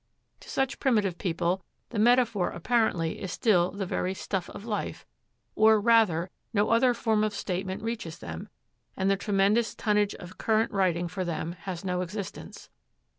To such primitive people the metaphor apparently is still the very 'stuff of life'; or, rather, no other form of statement reaches them, and the tremendous tonnage of current writing for them has no existence.